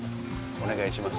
お願いします。